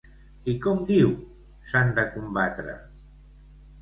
I com diu s'han de combatre?